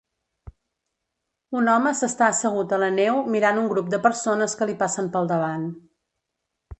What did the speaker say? Un home s'està assegut a la neu mirant un grup de persones que li passen pel davant.